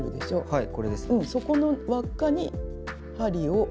はい。